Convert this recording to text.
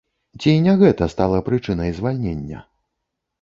Ці не гэта стала прычынай звальнення?